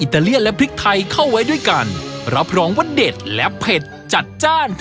แม่อยากกินเยอะอุ้ยไม่ได้น้อยจังเลยนะ